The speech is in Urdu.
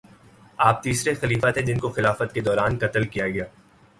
آپ تیسرے خلیفہ تھے جن کو خلافت کے دوران قتل کیا گیا